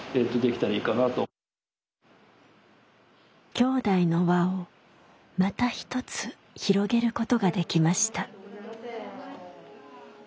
きょうだいの輪をまた一つ広げることができました。